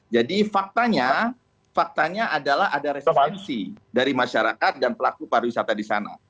jadi faktanya adalah ada resistensi dari masyarakat dan pelaku para wisata di sana